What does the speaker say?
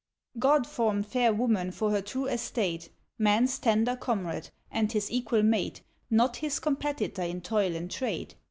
God formed fair woman for her true estate Man's tender comrade, and his equal mate, Not his competitor in toil and trade.